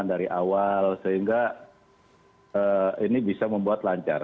dari awal sehingga ini bisa membuat lancar